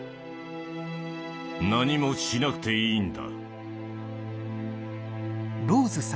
何もしなくていいんだ。